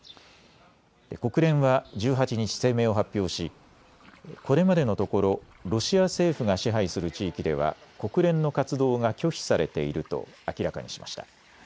国連は１８日、声明を発表しこれまでのところロシア政府が支配する地域では国連の活動が拒否されていると明らかにしました。